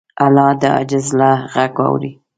الله د عاجز زړه غږ اوري.